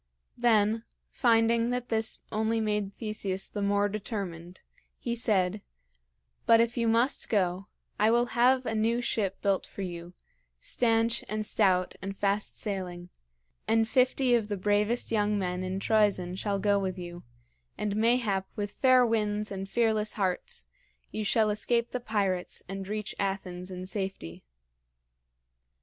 Then, finding that this only made Theseus the more determined, he said: "But if you must go, I will have a new ship built for you, stanch and stout and fast sailing; and fifty of the bravest young men in Troezen shall go with you; and mayhap with fair winds and fearless hearts you shall escape the pirates and reach Athens in safety."